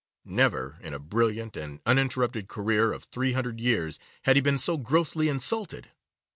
Never, in a brilliant and uninterrupted career of three hundred years, had he been so grossly insulted.